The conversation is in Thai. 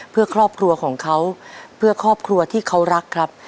เพื่อครอบครัวของเขาเพื่อครอบครัวที่เขารักครับ